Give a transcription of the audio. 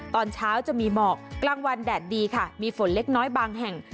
ตอนเช้าจะมีหมอกกลางวันแดดดีค่ะมีฝนเล็กน้อยบางแห่ง